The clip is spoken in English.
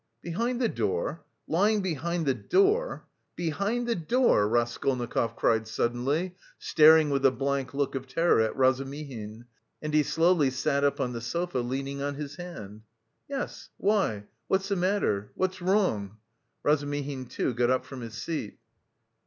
'" "Behind the door? Lying behind the door? Behind the door?" Raskolnikov cried suddenly, staring with a blank look of terror at Razumihin, and he slowly sat up on the sofa, leaning on his hand. "Yes... why? What's the matter? What's wrong?" Razumihin, too, got up from his seat.